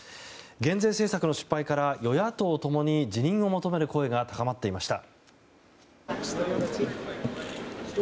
減税政策の失敗から与野党共に辞任を求める声が高まっていました。